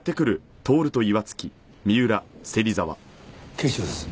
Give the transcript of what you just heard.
警視庁です。